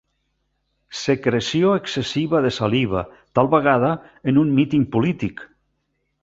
Secreció excessiva de saliva, tal vegada en un míting polític.